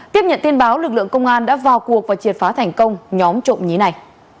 tiếp nhận tin báo lực lượng công an đã vào cuộc và triệt phá thành công nhóm trộm nhí này